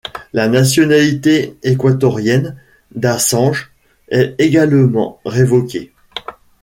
La nationalité équatorienne d’Assange est également révoquée.